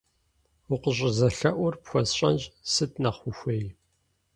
Укъыщӏызэлъэӏур пхуэсщӏэнщ, сыт нэхъ ухуей?